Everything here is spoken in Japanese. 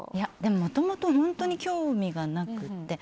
もともと本当に興味がなくて。